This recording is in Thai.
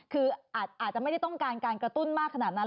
คืออาจจะไม่ได้ต้องการการกระตุ้นมากขนาดนั้น